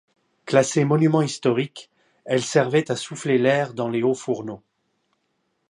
Classée monument historique, elle servait a souffler l'air dans les hauts fourneaux.